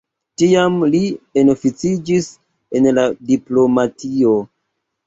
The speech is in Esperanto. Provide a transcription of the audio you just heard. Tiam li enoficiĝis en la diplomatio.